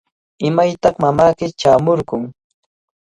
¿Imaytaq mamayki chaamurqun?